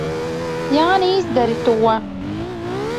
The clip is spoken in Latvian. Jāni, izdari to!